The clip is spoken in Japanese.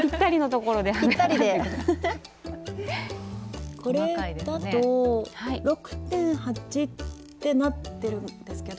これだと６．８ってなってるんですけど。